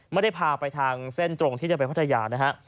ไม่ได้พาไปทางเส้นตรงที่จะไปพัทยานะฮะ